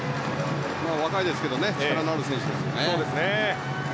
若いですけど力のある選手ですね。